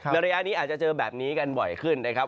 ระยะนี้อาจจะเจอแบบนี้กันบ่อยขึ้นนะครับ